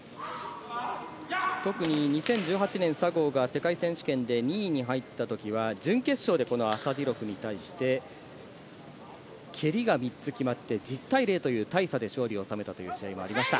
特に２０１８、佐合が世界選手権で２位に入ったときは準決勝でこのアサディロフに対して、蹴り３つ決まって１０対０という大差で収めた試合もありました。